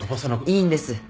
いいんです。